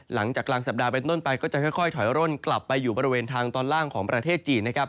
หลังจากกลางสัปดาห์เป็นต้นไปก็จะค่อยถอยร่นกลับไปอยู่บริเวณทางตอนล่างของประเทศจีนนะครับ